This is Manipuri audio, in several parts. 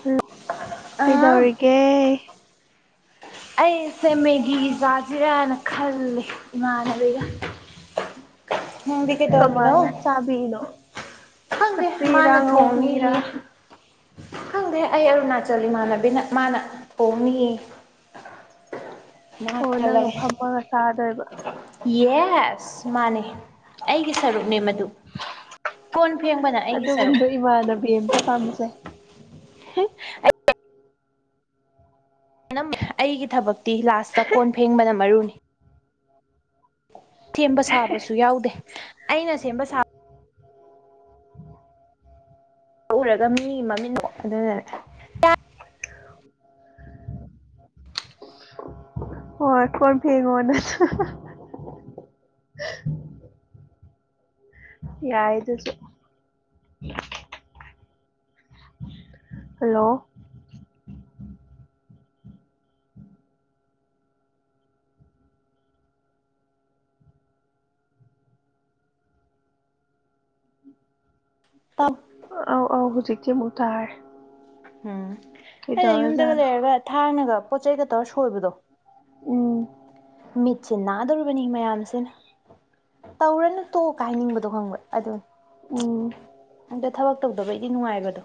ꯍꯜꯂꯣ ꯑꯥ ꯀꯩꯗꯧꯔꯤꯒꯦ ꯑꯩꯁꯦ ꯃꯦꯒꯤ ꯆꯥꯁꯤꯔꯅ ꯈꯜꯂꯦ ꯏꯃꯥꯟꯅꯕꯤꯒ ꯅꯪꯗꯤ ꯀꯩꯗꯧꯔꯝꯃꯤꯅꯣ ꯀꯥꯃꯥꯏꯅ ꯆꯥꯕꯤꯅꯣ ꯈꯪꯗꯦ ꯐꯨꯠꯄꯤꯔ! ꯃꯥꯅ ꯉꯧꯕꯤꯔꯥ ꯊꯣꯡꯅꯤꯌꯦ ꯈꯪꯗꯦ ꯑꯩꯑꯔꯨꯅꯥꯆꯜ ꯏꯃꯥꯟꯅꯕꯤꯅ ꯃꯥꯅ ꯊꯣꯡꯅꯤꯑꯌꯦ ꯑꯣ ꯅꯪꯅ ꯐꯝꯃꯒ ꯆꯥꯗꯣꯏꯕ UNINTELLIGIBLE ꯑꯩꯒꯤ ꯁꯔꯨꯛꯅꯦꯃꯗꯨ ꯀꯣꯟ ꯐꯦꯡꯕꯅ ꯑꯩꯒꯤ ꯁꯔꯨꯛ ꯑꯗꯨꯒꯨꯝꯕ ꯏꯃꯥꯟꯅꯕꯤꯑꯝꯇ ꯄꯥꯝꯖꯩ INAUDIBLE ꯑꯥꯅꯝ ꯑꯩꯒꯤ ꯊꯕꯛꯇꯤ ꯂꯥꯁꯇ ꯀꯣꯟ ꯐꯦꯡꯕꯅ ꯃꯔꯨꯅꯤ ꯁꯦꯝꯕ-ꯁꯥꯕꯁꯨ ꯌꯥꯎꯗꯦ ꯑꯩꯅ ꯁꯦꯝꯕ-ꯁꯥꯕ INAUDIBLE ꯎꯔꯒ ꯃꯤ ꯃꯃꯤꯡ ꯑꯣꯢꯗꯣꯔ INAUDIBLE ꯍꯣꯏ ꯀꯣꯟ ꯐꯦꯡꯉꯣꯅ ꯌꯥꯏꯗꯨꯖꯨ ꯍꯥꯜꯂꯣ ꯇꯥꯞ ꯑꯧ꯬ꯍꯧꯖꯤꯛꯁꯦ ꯑꯃꯨꯛ ꯇꯥꯔꯦ ꯎꯝ ꯑꯩꯅ ꯌꯨꯝꯗꯒ- ꯀꯩꯗꯧꯔꯖꯥꯠꯅꯣ ꯂꯩꯔꯒ ꯊꯥꯡꯅꯒ ꯄꯣꯠꯆꯩꯒ ꯇꯧꯔ ꯁꯣꯏꯕꯗꯣ ꯎꯪ ꯃꯤꯠꯁꯦ ꯅꯥꯗꯧꯔꯤꯕꯅꯤ ꯃꯌꯥꯝꯁꯦ ꯇꯧꯔꯅꯨ ꯇꯣꯛꯑꯣ ꯀꯥ ꯍꯥꯏꯅꯤꯡꯕ ꯗꯨ ꯈꯣꯕ꯭ꯔꯥ ꯑꯗꯨ ꯎꯝ ꯑꯥꯗ ꯈꯜꯂꯛ ꯇꯧꯗꯕꯩꯗꯤ ꯅꯨꯡꯉꯥꯏꯕꯗꯣ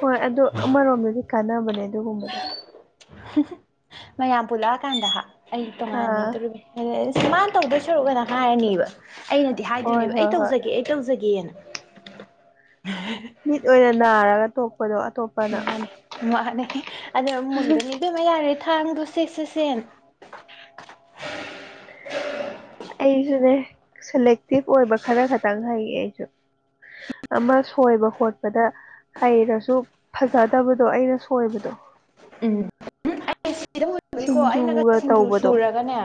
ꯍꯣꯏ ꯑꯗꯨ ꯑꯃꯔꯣꯝꯗꯗꯤ ꯀꯥꯟꯅꯕꯅꯦ ꯑꯗꯨꯒꯨꯝꯕꯗꯣ ꯃꯌꯥꯝ ꯄꯨꯜꯂꯛꯑꯀꯥꯟꯗ ꯍꯥ ꯑꯩ ꯇꯣꯡꯉꯥꯟꯅ ꯑꯥ ꯂꯩꯗꯣꯔꯤꯕꯅꯦ ꯑꯦꯁ ꯃꯥꯅ ꯇꯧꯗꯣꯏ ꯁꯔꯨꯛ ꯑꯥꯅ ꯍꯥꯏꯔꯅꯤꯕ ꯑꯩꯅꯗꯤ ꯍꯣꯏ ꯍꯥꯏꯗꯣꯏꯅꯦꯕ ꯑꯩ ꯍꯣꯏ ꯍꯣꯏ ꯇꯧꯖꯒꯦ- ꯑꯩ ꯇꯧꯖꯒꯦꯅ INAUDIBLE ꯃꯤꯠ ꯑꯣꯏꯅ ꯅꯥꯔꯒ ꯇꯣꯛꯄꯗꯣ ꯑꯇꯣꯞꯄꯅ ꯃꯥꯅꯦ ꯃꯥꯅꯦ ꯑꯗꯨꯅꯥꯃꯨꯛ ꯃꯨꯟꯒꯅꯤ ꯏꯕꯦꯝꯃꯥ ꯌꯥꯔꯦ ꯊꯥꯡꯗꯣ ꯁꯦꯁꯦ ꯁꯦꯅꯥ ꯑꯩꯖꯨꯅꯦ ꯁꯦꯂꯦꯛꯇꯤꯞ ꯑꯣꯏꯕ ꯈꯔ ꯈꯛꯇꯪ ꯍꯩꯌꯦ ꯑꯩꯖꯨ ꯑꯃ ꯁꯣꯏꯕ-ꯈꯣꯠꯄꯗ ꯍꯩꯔꯖꯨ ꯐꯖꯗꯕꯗꯣ ꯑꯩꯅ ꯁꯣꯏꯕꯗꯣ ꯎꯝ ꯀꯣ ꯑꯩꯅꯒ ꯁꯤꯡꯖꯨꯒ ꯁꯤꯡꯖꯨ ꯇꯧꯕꯗꯣ ꯁꯨꯔꯒꯅꯦ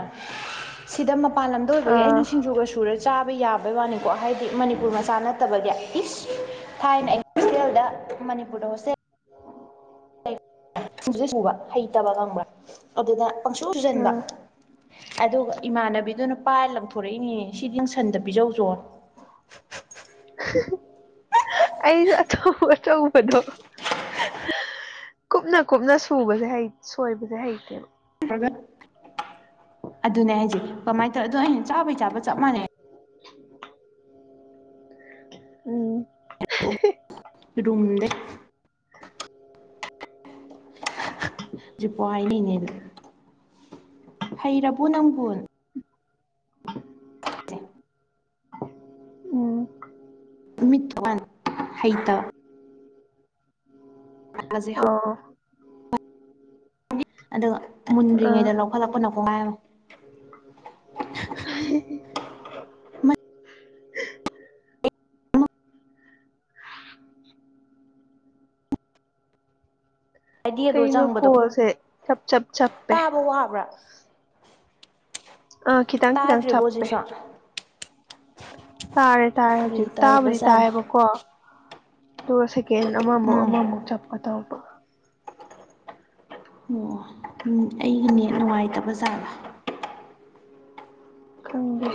ꯁꯤꯗ ꯃꯄꯥꯟ ꯂꯝꯗ ꯑꯣꯏꯕꯒꯤ ꯑꯥ ꯑꯩꯅ ꯁꯤꯡꯖꯨꯒ ꯁꯨꯔ ꯆꯥꯕ ꯌꯥꯕꯩ ꯋꯥꯅꯤꯀꯣ ꯍꯥꯏꯗꯤ ꯃꯅꯤꯄꯨꯔ ꯃꯆꯥ ꯅꯠꯇꯕꯒꯤ ꯏꯁ ꯊꯥꯏꯅ ꯑꯩ ꯇꯦꯜꯗ ꯃꯅꯤꯄꯨꯔꯗ ꯍꯣꯁꯇꯦꯜ ꯁꯤꯁꯨ ꯁꯨꯕ ꯍꯩꯇꯕ ꯉꯪꯕ꯭ꯔꯥ ꯑꯗꯨꯗ ꯄꯪꯁꯨ ꯁꯨꯖꯟꯕ ꯑꯥ ꯑꯗꯨꯒ ꯏꯃꯥꯟꯅꯕꯤꯗꯨꯅ ꯄꯥꯏꯔ ꯂꯪꯊꯣꯔꯛꯏꯅꯤꯅꯦ ꯁꯤꯗꯤꯠ ꯁꯟꯗ ꯄꯤꯖꯧꯖꯣꯅ ꯑꯩꯁꯨ ꯑꯆꯧ ꯑꯆꯧꯕꯗꯣ ꯀꯨꯞꯅ ꯀꯨꯞꯅ ꯁꯨꯕꯁꯦ ꯍꯩ ꯁꯣꯏꯕꯁꯦ ꯍꯩꯇꯦꯕ ꯇꯒ ꯑꯗꯨꯅꯦ ꯍꯥꯏꯁꯦ ꯀꯃꯥꯏ ꯇꯧꯋ ꯑꯗꯣ ꯑꯩꯅ ꯆꯥꯕꯩ ꯆꯥꯕ ꯆꯞ ꯃꯥꯟꯅꯩ [unintelligible] ꯎꯝ ꯔꯨꯝꯗꯦ ꯍꯧꯖꯤꯛꯄꯣ ꯍꯥꯏꯅꯩꯅꯦ ꯍꯩꯔꯕꯣ ꯅꯪꯕꯨ ꯎꯝ ꯍꯩꯇ [unintelligible] ꯑꯧ ꯑꯥ ꯃꯨꯟꯗ꯭ꯔꯤꯉꯩꯗ ꯂꯧꯈꯠꯂꯛꯄꯅ ꯀꯣꯒꯥꯏ ꯃꯥ [unintelligible] ꯑꯥꯏꯗꯤꯌꯥꯗꯣ ꯀꯩꯅꯣ ꯆꯪꯕꯗꯣ ꯀꯣꯜꯁꯦ ꯆꯞ ꯆꯞ ꯆꯞꯄꯦ ꯇꯥꯕ ꯋꯥꯕ꯭ꯔꯥ ꯑꯥ ꯈꯤꯇꯪ ꯈꯤꯇꯪ ꯇꯥꯗ꯭ꯔꯤꯕꯣ ꯆꯞꯄꯦ ꯍꯧꯖꯤꯛꯁꯨ ꯇꯥꯔꯦ ꯇꯥꯔꯦ ꯀꯔꯤ ꯍꯧꯖꯤꯛ ꯇꯥꯕꯨꯗꯤ ꯇꯧꯔꯤꯕꯖꯥꯠꯅꯣ ꯇꯥꯏꯌꯦꯕꯀꯣ ꯑꯗꯨꯒ ꯁꯦ ꯀꯦꯟ ꯑꯃꯃꯨꯛ ꯎꯝ ꯑꯃꯃꯨꯛ ꯆꯞꯄ ꯇꯧ ꯑꯣ ꯎ ꯑꯩꯒꯤ ꯅꯦꯠ ꯅꯨꯡꯉꯥꯏꯇꯕꯖꯥꯠꯔ ꯈꯪꯗꯦ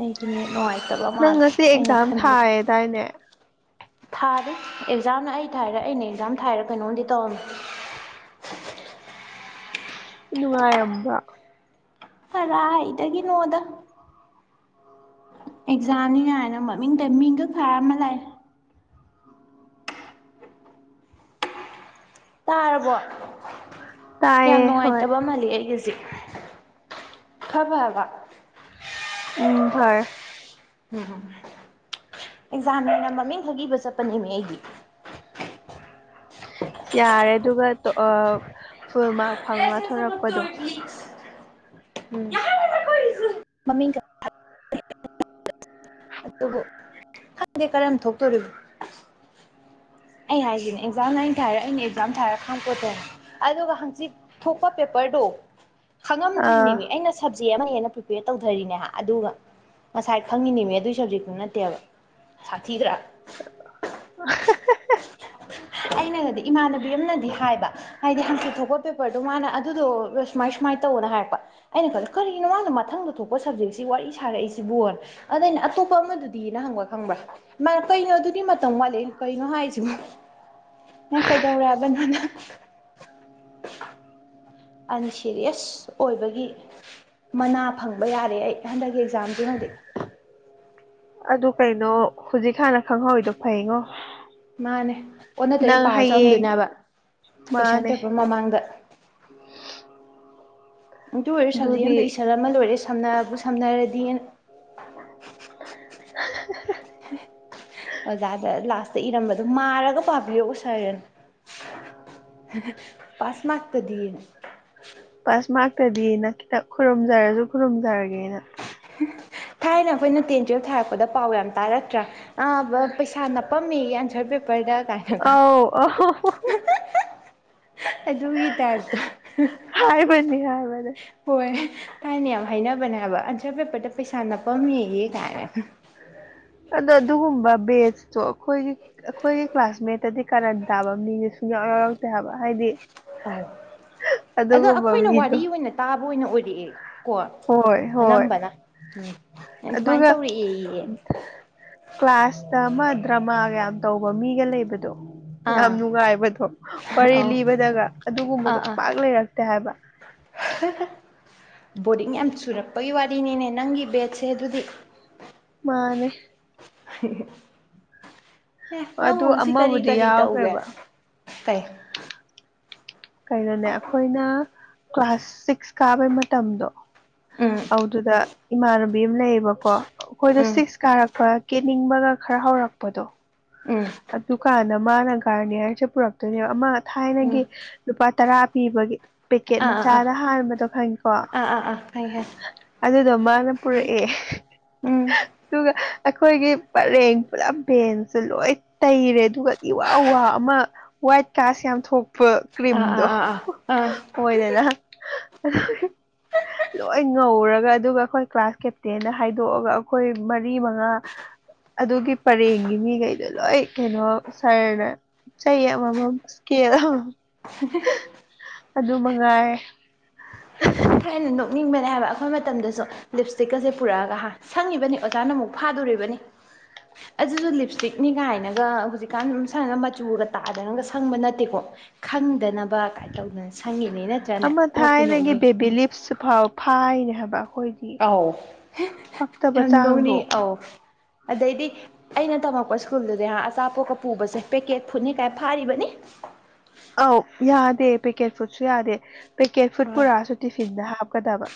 ꯑꯩꯒꯤ ꯅꯦꯠ ꯅꯨꯡꯉꯥꯏ ꯅꯪ ꯉꯁꯤ ꯑꯦꯛꯖꯥꯝ ꯊꯥꯏꯌꯦꯗꯥꯏꯅꯦ ꯊꯥꯔꯤ ꯑꯦꯛꯖꯥꯝꯅ ꯑꯩ ꯊꯥꯏꯔ ꯑꯩꯅ ꯑꯦꯛꯖꯥꯝ ꯊꯥꯏꯔ ꯀꯩꯅꯣꯝꯗꯤ ꯇꯧꯔꯝꯃꯤ [inaudible] ꯅꯨꯡꯉꯥꯏꯔꯝꯕꯔ ꯀꯔꯥꯏꯗꯒꯤꯅꯣꯗ ꯑꯦꯛꯖꯥꯝꯅꯤ ꯀꯥꯏꯅ ꯃꯃꯤꯡꯗ ꯃꯤꯡꯈꯛ ꯊꯥꯔꯝꯃ ꯂꯥꯛꯑꯦ ꯇꯥꯔꯕꯣ ꯌꯥꯝ ꯇꯥꯏꯌꯦ ꯍꯣꯏ ꯅꯨꯡꯉꯥꯏꯇꯕ ꯃꯥꯜꯂꯤ ꯑꯩꯒꯤꯖꯤ ꯈꯔ ꯐꯔꯕ ꯎꯝ ꯐꯔꯦ ꯎꯝ ꯑꯦꯛꯖꯥꯝꯅꯦꯅ ꯃꯃꯤꯡꯈꯛ ꯏꯕ ꯆꯠꯄꯅꯦꯃꯤ ꯑꯩꯗꯤ [inaudible] ꯌꯥꯔꯦ ꯑꯗꯨꯒ ꯑ ꯐꯨꯜ ꯃꯥꯔꯛ ꯐꯪꯉ ꯊꯣꯔꯛꯄꯗꯣ ꯎꯝ ꯃꯃꯤꯡ [unintelligible] ꯑꯗꯨꯕꯨ ꯈꯪꯗꯦ ꯀꯔꯝ ꯊꯣꯛꯇꯣꯔꯤꯕ [inaudible] ꯑꯩ ꯍꯥꯏꯁꯤꯅꯦ ꯑꯦꯛꯖꯥꯝꯅ ꯑꯩꯅ ꯊꯥꯏꯔ ꯑꯩꯅ ꯑꯦꯛꯖꯥꯝ ꯊꯥꯔꯤꯔ ꯈꯥꯡꯄꯣꯠꯇꯦ ꯑꯗꯨꯒ ꯍꯪꯆꯤꯠ ꯊꯣꯛꯄ ꯄꯦꯄꯔ ꯇꯣ ꯑꯥ ꯈꯪꯉꯝꯗ꯭ꯔꯤꯅꯦꯃꯤ ꯑꯩꯅ ꯁꯕꯖꯦꯛ ꯑꯃ ꯍꯦꯟꯅ ꯄ꯭ꯔꯤꯄꯦꯌꯔ ꯇꯧꯊꯔꯤꯅꯦ ꯍꯥ ꯑꯗꯨꯒ ꯉꯁꯥꯏ ꯈꯪꯉꯤꯅꯦꯃꯤ ꯑꯗꯨꯏ ꯁꯕꯖꯦꯛꯇꯨ ꯅꯠꯇꯦꯕ ꯁꯥꯊꯤꯗ꯭ꯔꯥ [unintelligible] ꯑꯩꯅꯒꯗꯤ ꯏꯃꯥꯟꯅꯕꯤ ꯑꯃꯅꯗꯤ ꯍꯥꯏꯕ ꯍꯥꯏꯗꯤ ꯍꯪꯆꯤꯠ ꯊꯣꯛꯄ ꯄꯦꯄ꯭ꯔꯗꯣ ꯃꯥꯅ ꯑꯗꯨꯗꯣ ꯁꯨꯃꯥꯏ ꯁꯨꯃꯥꯏ ꯇꯧꯋꯣꯅ ꯍꯥꯏꯔꯛꯄ ꯑꯩꯅ ꯈꯜꯂꯦ ꯀꯔꯤꯅꯣ ꯃꯥꯅ ꯃꯊꯪꯗ ꯊꯣꯛꯄ ꯁꯞꯖꯦꯛꯁꯤ ꯋꯥꯔꯤ ꯁꯥꯔꯛꯏꯁꯤꯕꯣꯅ ꯑꯗ ꯑꯩꯅ ꯑꯇꯣꯞꯄ ꯑꯃꯗꯨꯗꯤꯅ ꯍꯪ [unintelligible] ꯈꯪꯕ꯭ꯔꯥ ꯃꯥ ꯀꯩꯅꯣ ꯑꯗꯨꯗꯤ ꯃꯇꯝ ꯋꯥꯠꯂꯤ ꯑꯩꯟ ꯀꯩꯅꯣ ꯍꯥꯏꯁꯤꯕꯣ ꯑꯩ ꯀꯩꯗꯧꯔꯦ ꯍꯥꯏꯕꯅꯣ ꯅꯪ ꯑꯟꯁꯤꯔꯤꯌ꯭ꯁ ꯑꯣꯏꯕꯒꯤ ꯃꯅꯥ ꯐꯪꯕ ꯌꯥꯔꯦ ꯑꯩ ꯍꯟꯗꯛꯀꯤ ꯑꯦꯛꯖꯥꯝꯖꯤꯃꯗꯤ ꯑꯗꯨ ꯀꯩꯅꯣ ꯍꯨꯖꯤꯛ ꯍꯥꯟꯅ ꯈꯪꯍꯧꯔꯤꯗꯣ ꯐꯩꯉꯣ ꯃꯥꯅꯦ ꯑꯣꯟꯅ ꯇꯩꯅ ꯅꯪ ꯄꯥꯔ ꯆꯠꯂꯝꯗꯣꯏꯅꯦ ꯍꯌꯦꯡ ꯍꯥꯏꯕ ꯀꯣꯏꯁꯟ ꯃꯥꯅꯦ ꯄꯦꯄ꯭ꯔ ꯃꯃꯥꯡꯗ ꯑꯗꯨ ꯑꯣꯏꯔ ꯁꯕꯖꯦꯛ ꯑꯝꯗ ꯑꯗꯨꯗꯤ ꯏꯁꯜꯂꯝꯃ ꯂꯣꯏꯔꯦ ꯁꯝꯅꯕꯨ ꯁꯝꯅꯔꯗꯤꯅ [unintelligible] ꯑꯣꯖꯥꯗ ꯂꯥꯁꯇ ꯏꯔꯝꯕꯗꯣ ꯃꯥꯔꯒ ꯄꯥꯕꯤꯌꯨ ꯎꯁ ꯁꯥꯔ ꯄꯥꯁ ꯃꯥꯥꯛꯇꯗꯤꯅ ꯄꯥꯁ ꯃꯥꯔꯛꯇꯗꯤꯅ ꯈꯤꯇ ꯈꯨꯔꯨꯝꯖꯔꯁꯨ ꯈꯨꯔꯨꯝꯖꯔꯒꯦꯅ ꯊꯥꯏꯅ ꯑꯈꯣꯏꯅ ꯇꯦꯟ ꯇꯨꯋꯦꯜꯐ ꯊꯥꯔꯛꯄꯗ ꯄꯥꯎ ꯌꯥꯝ ꯇꯥꯔꯛꯇ꯭ꯔꯥ ꯑꯥ ꯕ ꯄꯩꯁꯥ ꯅꯞꯄꯝꯃꯦꯌꯦ ꯑꯟꯁꯔ ꯄꯦꯄ꯭ꯔꯗ ꯀꯥꯏꯅꯒ [unintelligible] ꯑꯗꯨꯒꯤ ꯇꯥꯏꯞꯇ ꯍꯥꯏꯕꯅꯤ ꯍꯥꯏꯕꯅꯦ ꯍꯣꯏ ꯊꯥꯏꯅ ꯌꯥꯝ ꯍꯥꯏꯅꯕꯅꯦ ꯍꯥꯏꯕ ꯑꯟꯁ꯭ꯔ ꯄꯦꯄꯔꯗ ꯄꯩꯁꯥ ꯅꯞꯄꯝꯃꯦꯌꯦ ꯀꯥꯏꯅ [inaudible] ꯑꯗꯣ ꯑꯗꯨꯒꯨꯝꯕ ꯕꯦꯁꯇꯣ ꯑꯈꯣꯏꯒꯤ ꯑꯈꯣꯏꯒꯤ ꯀ꯭ꯂꯥꯁꯃꯦꯠꯇꯗꯤ ꯀꯔꯟ ꯇꯥꯕ ꯃꯤꯒꯤꯁꯨ ꯁꯨꯡꯌꯥꯎ ꯌꯥꯎꯔꯛꯇꯦ ꯍꯥꯏꯕ ꯍꯥꯏꯗꯤ ꯑꯧ ꯑꯗꯨꯒꯨꯝꯕ ꯃꯤꯗꯣ ꯀꯦꯑꯦ ꯀꯣ ꯍꯣꯏ ꯍꯣꯏ ꯑꯅꯝꯕꯅ ꯎꯝ ꯑꯗꯨꯃꯥꯏꯅ ꯑꯗꯨꯒ ꯇꯧꯔꯛꯑꯦꯌꯦ ꯀ꯭ꯂꯥꯁꯇ ꯑꯃ ꯗ꯭ꯔꯃꯥꯒ ꯌꯥꯝ ꯇꯧꯕ ꯃꯤꯒ ꯂꯩꯕꯗꯣ ꯌꯥꯝ ꯑꯥ ꯅꯨꯡꯉꯥꯏꯕꯗꯣ ꯋꯥꯔꯤ ꯑꯧ ꯂꯤꯕꯗꯒ ꯑꯗꯨꯒꯨꯝꯕꯗꯣ ꯑꯥ ꯑꯥ ꯄꯥꯛ ꯂꯩꯔꯛꯇꯦ ꯍꯥꯏꯕ [unintelligible] ꯕꯣꯔꯤꯡ ꯌꯥꯝ ꯆꯨꯔꯛꯄꯒꯤ ꯋꯥꯔꯤꯅꯤꯅꯦ ꯅꯪꯒꯤ ꯕꯦꯠꯁꯁꯦ ꯑꯗꯨꯗꯤ ꯃꯥꯅꯦ ꯑꯦ ꯅꯪꯕꯨ ꯑꯗꯨ ꯉꯁꯤ ꯀꯔꯤ ꯑꯃꯕꯨꯗꯤ ꯀꯔꯤ ꯇꯧꯒꯦ ꯌꯥꯎꯈ꯭ꯔꯦꯕ ꯀꯩ ꯀꯩꯅꯣꯅꯦ ꯑꯈꯣꯏꯅ ꯀ꯭ꯂꯥꯁ ꯁꯤꯛꯁ ꯀꯥꯕꯩ ꯃꯇꯝꯗꯣ ꯎꯝ ꯑꯧꯗꯨꯗ ꯏꯃꯥꯟꯅꯕꯤ ꯑꯝ ꯂꯩꯌꯦꯕꯀꯣ ꯑꯈꯣꯏꯗ ꯎꯝ ꯁꯤꯛꯁ ꯀꯥꯔꯛꯄ ꯀꯦꯅꯤꯡꯕꯒ ꯈꯔ ꯍꯧꯔꯛꯄꯗꯣ ꯎꯝ ꯑꯗꯨꯀꯥꯟꯗ ꯃꯥꯅ ꯒꯥꯔꯅꯤꯌꯥꯔꯁꯦ ꯄꯨꯔꯛꯇꯣꯏꯅꯦꯕ ꯑꯃ ꯎꯝ ꯊꯥꯏꯅꯒꯤ ꯂꯨꯄꯥ ꯇꯔꯥ ꯄꯤ ꯄꯤꯕꯒꯤ ꯄꯤꯀꯦꯠ ꯑꯥ ꯑꯥ ꯃꯆꯥꯗ ꯍꯥꯟꯕꯗꯣ ꯈꯪꯉꯤꯀꯣ ꯑꯥ ꯑꯥ ꯑꯥ ꯑꯥ ꯈꯪꯉꯦ ꯈꯪꯉꯦ ꯑꯗꯨꯗꯣ ꯃꯥꯅ ꯄꯨꯔꯛꯑꯦ ꯎꯝ ꯑꯗꯨꯒ ꯑꯈꯣꯏꯒꯤ ꯄꯔꯦꯡ ꯄꯨꯂꯞ ꯕꯦꯟꯇꯨ ꯂꯣꯏ ꯇꯩꯔꯦ ꯑꯗꯨꯒ ꯏ ꯏꯋꯥꯎ ꯋꯥꯎ ꯑꯃ ꯋꯥꯏꯠ ꯀꯥꯁ ꯌꯥꯝ ꯊꯣꯛꯄ ꯑꯥ ꯑꯥ ꯀ꯭ꯔꯤꯝꯗꯣ ꯑꯥ ꯑꯥ ꯑꯥ ꯑꯣꯏꯗꯅ [unintelligible] ꯂꯣ ꯂꯣꯏ ꯉꯧꯔꯒ ꯑꯗꯨꯒ ꯈꯣꯏ ꯀ꯭ꯂꯥꯁ ꯀꯦꯞꯇꯦꯟꯅ ꯍꯥꯏꯗꯣꯛꯑꯒ ꯑꯩꯈꯣꯏ ꯃꯔꯤ ꯃꯉꯥ ꯑꯗꯨꯒꯤ ꯄꯔꯦꯡꯒꯤ ꯃꯤꯒꯩꯗꯣ ꯂꯣꯏ ꯀꯩꯅꯣ ꯁ꯭ꯔꯅ ꯆꯩ ꯑꯃꯃꯝ ꯁ꯭ꯀꯦꯜ ꯑꯃꯃꯝ ꯑꯗꯨ ꯃꯉꯥꯏꯔꯦ [unintelligible] ꯑꯩꯅ ꯅꯣꯛꯅꯤꯡꯕꯅꯦ ꯍꯥꯏꯕ ꯑꯩꯈꯣꯏ ꯃꯇꯝꯗꯁꯨ ꯂꯤꯞꯁꯇꯤꯛꯀꯁꯦ ꯄꯨꯔꯛꯑꯒ ꯍꯥ ꯁꯪꯉꯤꯕꯅꯤ ꯑꯣꯖꯥꯅ ꯑꯃꯨꯛ ꯐꯥꯗꯨꯔꯤꯕꯅꯤ [unintelligible] ꯑꯗꯨꯁꯨ ꯂꯤꯞꯁꯇꯤꯛꯅꯤ ꯀꯥꯏꯅꯒ ꯍꯧꯖꯤꯛꯀꯥꯟ ꯁꯪꯏꯕ ꯃꯆꯨꯒ ꯇꯥꯗꯅꯒ ꯁꯪꯕ ꯅꯠꯇꯦꯀꯣ ꯈꯪꯗꯅꯕ ꯀꯥꯏ ꯇꯧꯗꯅ ꯁꯪꯉꯤꯅꯤ ꯅꯠꯇ꯭ꯔꯅꯦ ꯑꯃ ꯅꯣꯛꯄꯨ ꯊꯥꯏꯅꯒꯤ ꯅꯣꯛꯅꯤꯡꯉꯤ ꯕꯦꯕꯤ ꯂꯤꯞꯁ ꯐꯥꯎ ꯐꯥꯏꯅꯦ ꯍꯥꯏꯕ ꯑꯩꯈꯣꯏꯗꯤ ꯑꯥꯎ [unintelligible] ꯄꯛꯇꯕ ꯌꯥꯝ ꯅꯣꯛ ꯆꯥꯡꯗꯣ [unintelligible] ꯑꯥꯎ ꯑꯗꯩꯗꯤ ꯑꯩꯅ ꯇꯝꯃꯛꯄ ꯁ꯭ꯀꯨꯜꯗꯨꯗꯤ ꯍꯥ ꯑꯆꯥꯄꯣꯠꯀ ꯄꯨꯕꯁꯦ ꯄꯦꯀꯦꯠ ꯐꯨꯠꯅꯤ ꯀꯥꯏ ꯐꯥꯔꯤꯕꯅꯤ ꯑꯥꯎ ꯌꯥꯗꯦ ꯄꯦꯀꯦꯠ ꯐꯨꯗꯁꯨ ꯌꯥꯗꯦ ꯄꯦꯀꯦꯠ ꯐꯨꯠ ꯄꯨꯔꯛꯑꯁꯨ ꯇꯤꯐꯤꯟꯗ ꯍꯥꯞ [unintelligible]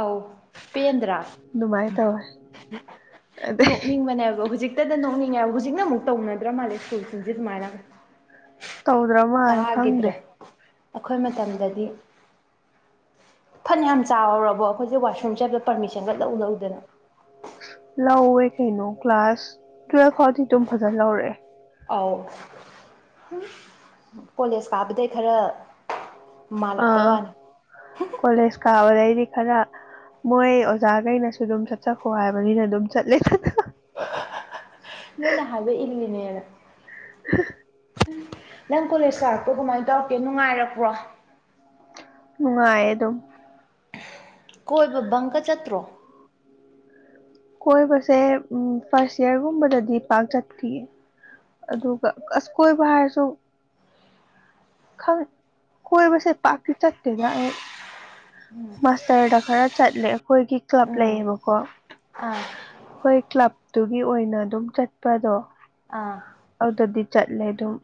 ꯑꯥꯎ ꯄꯦꯟꯗ꯭ꯔꯥ ꯑꯗꯨꯃꯥꯏꯅ ꯇꯧꯋꯦ [unintelligible] ꯑꯗꯩ ꯅꯣꯛꯅꯤꯡꯕꯅꯦꯕ ꯍꯧꯖꯤꯛ [unintelligible] ꯅꯣꯡꯅꯤꯡꯉꯦ ꯍꯥꯏꯕ ꯍꯨꯖꯤꯛꯅ ꯑꯃꯨꯛ ꯇꯧꯅꯗ꯭ꯔ ꯃꯥꯜꯂꯦ ꯁ꯭ꯀꯨꯜꯁꯤꯡꯁꯦ ꯑꯗꯨꯃꯥꯏꯅ ꯇꯧꯗ꯭ꯔ ꯃꯥꯜꯂꯦ ꯈꯪꯗꯦ ꯇꯥꯒꯤꯗ꯭ꯔꯦ ꯑꯩꯈꯣꯏ ꯃꯇꯝꯗꯗꯤ ꯐꯅ ꯌꯥꯝ ꯆꯥꯎꯔꯕꯧ ꯍꯧꯖꯤꯛ ꯋꯥꯁꯔꯨꯝ ꯆꯠꯄꯘ ꯄꯔꯃꯤꯁꯟꯒ ꯂꯧ ꯂꯧꯗꯅ ꯂꯧꯑꯦ ꯀꯩꯅꯣ ꯀ꯭ꯂꯥꯁ ꯇꯨꯋꯦꯜꯐ ꯐꯥꯎꯗꯤ ꯑꯗꯨꯝ ꯐꯖꯅ ꯂꯧꯔꯦ ꯑꯥꯎ ꯀꯣꯂꯦꯖ ꯀꯥꯕꯗꯩ ꯈꯔ ꯃꯥꯜꯂꯛꯄꯩ ꯑꯥ ꯋꯥꯅꯤ ꯀꯣꯂꯦꯖ ꯀꯥꯕꯗꯩꯗꯤ ꯈꯔ ꯃꯣꯏ ꯑꯣꯖꯥꯒꯩꯅꯁꯨ ꯑꯗꯨꯝ ꯆꯠꯆꯈꯣ ꯍꯥꯏꯕꯅꯤꯅ ꯑꯗꯨꯝ ꯆꯠꯂꯦ [unintelligible] ꯅꯣꯏꯅ ꯍꯥꯏꯕ ꯏꯜꯂꯤꯅꯦꯅ [unintelligible] ꯅꯪ ꯀꯣꯂꯦꯁ ꯂꯥꯛꯄ ꯀꯃꯥꯏ ꯇꯧꯔꯛꯀꯦ ꯅꯨꯡꯉꯥꯏꯔꯛꯄ꯭ꯔꯣ ꯅꯨꯡꯉꯥꯏ ꯑꯗꯨꯝ ꯀꯣꯏꯕ ꯕꯪꯀ ꯆꯠꯇ꯭ꯔꯣ ꯀꯣꯏꯕꯁꯦ ꯎ ꯐꯥꯔꯁ ꯏꯌꯥꯔꯒꯨꯝꯕꯗꯗꯤ ꯄꯥꯛ ꯆꯠꯇꯤꯌꯦ ꯑꯗꯨꯒ ꯑꯁ ꯀꯣꯏꯕ ꯍꯥꯏꯔꯁꯨ ꯈꯪ--ꯀꯣꯏꯕꯁꯦ ꯄꯥꯥꯛꯇꯤ ꯆꯠꯇꯦꯗ ꯑꯩ ꯃꯥꯁ꯭ꯇꯔꯗ ꯈꯔ ꯆꯠꯂꯦ ꯑꯩꯈꯣꯏꯒꯤ ꯀ꯭ꯂꯕ ꯎꯝ ꯂꯩꯌꯦꯕꯀꯣ ꯑꯥ ꯑꯩꯈꯣꯏ ꯀ꯭ꯂꯕꯇꯨꯒꯤ ꯑꯣꯏꯅ ꯑꯗꯨꯝ ꯆꯠꯄꯗꯣ ꯑꯥ ꯑꯗꯗꯤ ꯆꯠꯂꯦ ꯑꯗꯨꯝ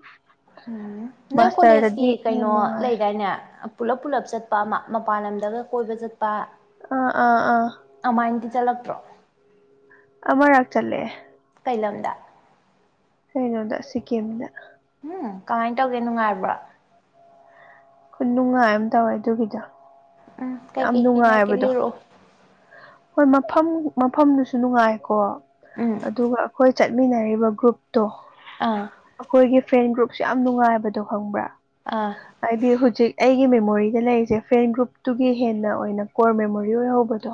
ꯎꯝ ꯅꯣꯏ ꯀꯣꯂꯦꯖꯀꯤ ꯃꯥꯁꯇꯔꯗꯗꯤ ꯍꯦꯟꯅ ꯀꯩꯅꯣ ꯅꯨꯡꯉꯥꯏ ꯂꯩꯗꯥꯏꯅꯦ ꯄꯨꯂꯞ ꯄꯨꯂꯞ ꯆꯠꯄ ꯑꯃ ꯃꯄꯥꯟ ꯂꯝꯗꯒ ꯀꯣꯏꯕ ꯆꯠ ꯑꯥ ꯑꯥ ꯑꯥ ꯑꯗꯨꯃꯥꯏꯅꯗꯤ ꯆꯠꯂꯛꯇ꯭ꯔꯣ ꯑꯃꯔꯛ ꯆꯠꯂꯦ ꯀꯩꯂꯝꯗ ꯀꯩꯅꯣꯗ ꯁꯤꯛꯀꯤꯝꯗ ꯎꯝ ꯀꯃꯥꯏ ꯇꯧꯒꯦ ꯅꯨꯡꯉꯥꯏꯕ꯭ꯔꯥ ꯈꯨꯅꯨꯡꯉꯥꯏ ꯑꯃ ꯇꯧꯑꯦ ꯑꯗꯨꯒꯤꯗꯣ ꯎꯝ ꯌꯥꯝ ꯀꯩꯀꯩ ꯊꯦꯡꯅꯔꯛꯀꯦ ꯅꯨꯡꯉꯥꯏꯕꯗꯣ ꯂꯤꯔꯛꯑꯣ ꯍꯣꯏ [unintelligible] ꯐꯝ ꯃꯐꯝꯗꯨꯁꯨ ꯅꯨꯡꯉꯥꯏꯀꯣ ꯎꯝ ꯑꯗꯨꯒ ꯑꯩꯈꯣꯏ ꯆꯠꯃꯤꯟꯅꯔꯤꯕ ꯒ꯭ꯔꯨꯞ ꯇꯣ ꯑꯥ ꯑꯩꯈꯣꯏꯒꯤ ꯐ꯭ꯔꯦꯟ ꯒ꯭ꯔꯨꯞꯁꯦ ꯌꯥꯝ ꯅꯨꯡꯉꯥꯏꯕꯗꯣ ꯈꯪꯕ꯭ꯔꯥ ꯑꯥ ꯍꯥꯏꯗꯤ ꯍꯧꯖꯤꯛ ꯑꯩꯒꯤ ꯃꯦꯃꯣꯔꯤꯗ ꯂꯩꯔꯤꯁꯦ ꯐ꯭ꯔꯦꯟ ꯒ꯭ꯔꯨꯞ ꯑꯗꯨꯒꯤ ꯍꯦꯟꯅ ꯑꯣꯏꯅ ꯀꯣꯔ ꯃꯦꯃꯣꯔꯤ ꯑꯣꯏꯍꯧꯕꯗꯣ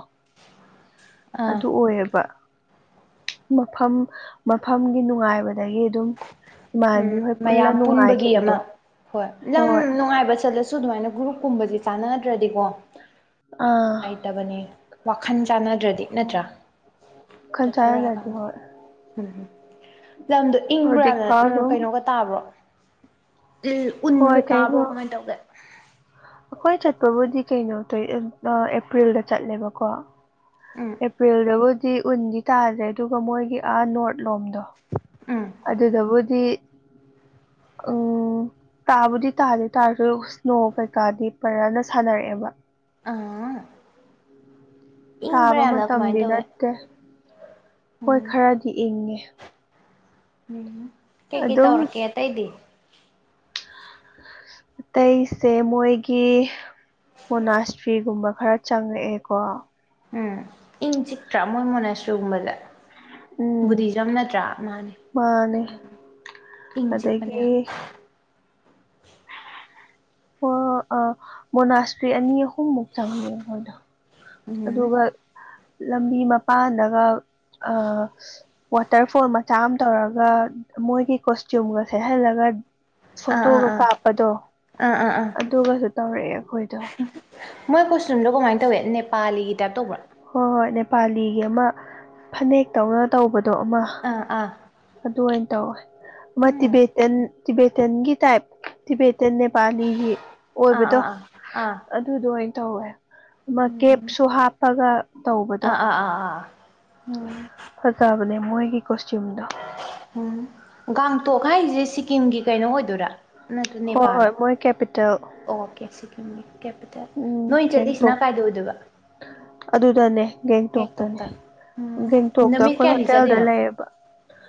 ꯑꯥ ꯑꯗꯨ ꯑꯣꯏꯌꯦꯕ ꯃꯐꯝ ꯃꯐꯝꯒꯤ ꯅꯨꯡꯉꯥꯏꯕꯗꯒꯤ ꯑꯗꯨꯝ ꯏꯃꯥꯟꯅꯕꯤ ꯎꯝ ꯍꯣꯏ ꯄꯨꯜꯂ ꯃꯌꯥꯝ ꯄꯨꯟꯕꯒꯤ ꯅꯨꯡꯉꯥꯏꯈꯤꯕꯗꯣ ꯑꯃ ꯍꯣꯏ ꯂꯝ ꯅꯨꯡꯉꯥꯏꯕ ꯆꯠꯂꯁꯨ ꯑꯗꯨꯃꯥꯏꯅ ꯒ꯭ꯔꯨꯞꯀꯨꯝꯕꯗꯤ ꯆꯥꯟꯅꯗ꯭ꯔꯗꯤꯀꯣ ꯑꯥ ꯅꯨꯡꯉꯥꯏꯇꯕꯅꯦ ꯋꯥꯈꯜ ꯆꯥꯟꯅꯗ꯭ꯔꯗꯤ ꯅꯠꯇ꯭ꯔꯥ ꯋꯥꯈꯜ ꯆꯥꯟꯅꯗ꯭ꯔꯗꯤ ꯆꯠꯊꯣꯔꯛꯑꯀꯥꯟꯗ ꯍꯣꯏ ꯎꯝ ꯂꯝꯗꯣ ꯍꯧꯖꯤꯛ ꯏꯪꯕ꯭ꯔꯥꯅ ꯐꯥꯎ ꯎꯝ ꯑꯗꯨꯝ ꯀꯩꯅꯣꯒ ꯇꯥꯕ꯭ꯔꯣ ꯍꯣꯏ ꯎꯟꯒ ꯀꯩꯩꯅꯣ ꯇꯥꯕ꯭ꯔꯣ ꯀꯃꯥꯏꯅ ꯇꯧꯒꯦ ꯑꯩꯈꯣꯏ ꯆꯠ ꯄꯕꯨꯗꯤ ꯀꯩꯅꯣ ꯇꯧꯏ ꯑꯦꯄ꯭ꯔꯤꯜꯗ ꯆꯠꯂꯦꯕꯀꯣ ꯎꯝ ꯑꯦꯄ꯭ꯔꯤꯜꯗꯕꯨ ꯗꯤ ꯎꯟꯗꯤ ꯇꯥꯗ꯭ꯔꯦ ꯑꯗꯨꯒ ꯃꯣꯏꯒꯤ ꯑꯥ ꯅꯣꯔꯠ ꯂꯣꯝꯗꯣ ꯎꯝ ꯑꯗꯨꯗꯕꯨꯗꯤ ꯎꯝ ꯇꯥꯕꯨꯗꯤ ꯇꯥꯗꯦ ꯇꯥꯔꯁꯨ ꯏꯁ꯭ꯅꯣ ꯀꯩꯀꯥꯗꯤ ꯐꯖꯅ ꯁꯥꯟꯅꯔꯛꯑꯦꯕ ꯑꯥ ꯏꯪꯕ꯭ꯔꯥ ꯇꯥꯕ ꯌꯥꯝꯅ ꯀꯃꯥꯏꯅ ꯃꯇꯝꯗꯤ ꯇꯧꯋꯦ ꯅꯠꯇꯦ ꯍꯣꯏ ꯎꯝ ꯈꯔꯗꯤ ꯏꯪꯉꯦ ꯎꯝ ꯀꯩ ꯀꯩ ꯑꯗꯨꯝ ꯇꯧꯔꯛꯀꯦ ꯑꯇꯩꯗꯤ ꯑꯇꯩꯁꯦ ꯃꯣꯏꯒꯤ ꯃꯣꯅꯥꯁꯇ꯭ꯔꯤꯒꯨꯝꯕ ꯈꯔ ꯆꯪꯉꯛꯑꯦꯀꯣ ꯎꯝ ꯏꯪ ꯆꯤꯛꯇ꯭ꯔꯥ ꯃꯣꯏ ꯃꯣꯅꯁꯇ꯭ꯔꯤꯒꯨꯝꯕꯁꯦ ꯎꯝ ꯕꯨꯙꯤꯖꯝ ꯅꯠꯇ꯭ꯔꯥ ꯃꯥꯅꯦ ꯃꯥꯅꯦ ꯏꯪ ꯆꯤꯛꯄꯅꯦ ꯌꯥꯝ ꯑꯗꯒꯤ ꯑꯥ ꯑ ꯃꯣꯅꯥꯁꯇ꯭ꯔꯤ ꯑꯅꯤ ꯑꯍꯨꯝ ꯑꯍꯨꯝꯃꯨꯛ ꯆꯪꯉꯦ ꯃꯣꯏꯗꯣ ꯎꯝ ꯑꯗꯨꯒ ꯂꯝꯕꯤ ꯃꯄꯥꯟꯗꯒ ꯑꯥ ꯋꯥꯇꯔꯐꯣꯜ ꯃꯆꯥ ꯑꯃ ꯇꯧꯔꯒ ꯃꯣꯏꯒꯤ ꯀꯣꯁꯇ꯭ꯌꯨꯝꯒ ꯁꯦꯠꯍꯜꯂꯒ ꯑꯥ ꯑꯥ ꯐꯣꯇꯣꯒ ꯑꯥ ꯀꯥꯞꯄꯗꯣ ꯑꯥ ꯑꯥ ꯑꯥ ꯑꯗꯨꯒꯁꯨ ꯇꯧꯔꯛꯑꯦ ꯑꯩꯈꯣꯏꯗꯣ ꯃꯣꯏ ꯀꯣꯁꯇ꯭ꯌꯨꯝꯗꯣ ꯀꯃꯥꯏ ꯇꯧꯋꯦ ꯅꯦꯄꯥꯂꯤꯒꯤ ꯇꯥꯏꯞ ꯇꯧꯕ꯭ꯔꯥ ꯍꯣꯏ ꯍꯣꯏ ꯅꯦꯄꯥꯂꯤꯒꯤ ꯑꯃ ꯐꯅꯦꯛꯇꯧꯅ ꯇꯧꯕ ꯑꯥ ꯑꯥ ꯑꯗꯨꯃꯥꯏꯅ ꯇꯧꯋꯦ ꯑꯃ ꯎꯝ ꯇꯤꯕꯦꯇꯟ ꯇꯤꯕꯦꯇꯟꯒꯤ ꯇꯥꯏꯞ ꯇꯤꯕꯦ ꯅꯦꯄꯥꯂꯤꯒꯤ ꯑꯥ ꯑꯣꯏꯕꯗꯣ ꯑꯥ ꯑꯥ ꯑꯥ ꯑꯗꯨꯗꯣ ꯑꯣꯏꯅ ꯇꯧꯋꯦ ꯑꯃ ꯎꯝ ꯀꯦꯞꯁꯨ ꯍꯥꯞꯄꯒ ꯇꯧꯕꯗꯣ ꯑꯥ ꯑꯥ ꯑꯥ ꯑꯥ ꯎꯝ ꯐꯖꯕꯅꯦ ꯃꯣꯏꯒꯤ ꯀꯣꯁꯇ꯭ꯌꯨꯝꯗꯣ ꯎꯝ ꯒꯥꯡꯇꯣꯛ ꯍꯥꯏꯁꯦ ꯁꯤꯀꯤꯝꯒꯤ ꯀꯩꯅꯣ ꯑꯣꯏꯗꯣꯏꯔꯥ ꯅꯠꯇ꯭ꯔ ꯍꯣꯏ ꯍꯣꯏ ꯅꯦꯄꯥꯜꯂ ꯃꯣꯏ ꯀꯦꯄꯤꯇꯦꯜ ꯑꯣꯀꯦ ꯁꯤꯀꯤꯝꯒꯤ ꯀꯦꯄꯤꯇꯦꯜ ꯎꯝ ꯅꯣꯏ ꯒꯦꯡꯇꯣꯛ ꯆꯠꯂꯤꯁꯤꯅ ꯀꯥꯏꯗ ꯑꯣꯏꯗꯣꯏꯕ ꯑꯗꯨꯗꯅꯦ ꯒꯦꯡꯇꯣꯛꯇꯅꯦ ꯒꯦꯡꯇꯣꯛꯇ ꯎꯝ ꯒꯦꯡꯇꯣꯛꯇ ꯅꯨꯃꯤꯠ ꯑꯩꯈꯣꯏ ꯀꯌꯥꯅꯤ ꯍꯣꯇꯦꯜꯗ ꯆꯠꯂꯤꯅꯣ ꯂꯩꯌꯦꯕ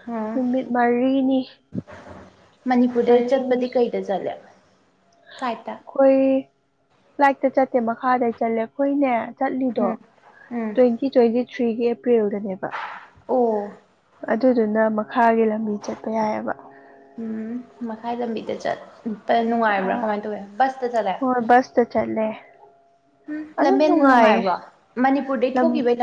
ꯎꯝ ꯅꯨꯃꯤꯠ ꯃꯔꯤꯅꯤ ꯃꯅꯤꯄꯨꯔꯗꯩ ꯃꯔꯤꯅꯤ ꯆꯠꯄꯗꯤ ꯀꯩꯗ ꯆꯠꯂꯤ ꯑꯩꯈꯣꯏ ꯐꯂꯥꯏꯠꯇ ꯆꯠꯇꯦ ꯃꯈꯥꯗ ꯆꯠꯂꯦ ꯑꯩꯈꯣꯏꯅꯦ ꯆꯠꯂꯤꯗꯣ ꯎꯝ ꯎꯝ ꯇ꯭ꯋꯦꯟꯇꯤ ꯇ꯭ꯋꯦꯟꯇꯤ ꯊ꯭ꯔꯤꯒꯤ ꯑꯦꯄ꯭ꯔꯤꯜꯗꯅꯦꯕ ꯑꯣ ꯑꯗꯨꯗꯨꯅ ꯃꯈꯥꯒꯤ ꯂꯝꯕꯤ ꯆꯠꯄ ꯌꯥꯏꯑꯕ ꯎꯝ ꯃꯈꯥꯏ ꯂꯝꯕꯤꯗ ꯆꯠꯄ ꯑ ꯅꯨꯡꯉꯥꯏꯕ꯭ꯔꯥ ꯀꯃꯥꯏ ꯇꯧꯋꯦ ꯕꯁꯇ ꯆꯠꯂꯦ ꯍꯣꯏ ꯕꯁꯇ ꯆꯠꯂꯦ ꯎꯝ ꯑꯗꯨꯝ ꯂꯝꯕꯦꯟ ꯅꯨꯡꯉꯥꯏꯌꯦ ꯅꯨꯡꯉꯥꯏꯕ꯭ꯔꯣ ꯃꯅꯤꯄꯨꯔꯗꯩ ꯊꯣꯛꯈꯤꯕꯩ ꯂꯝ